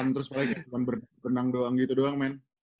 kan terus paling bukan berenang doang gitu doang men